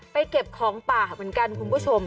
เก็บของป่าเหมือนกันคุณผู้ชม